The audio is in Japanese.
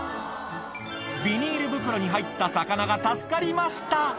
ビニール袋に入った魚が助かりました。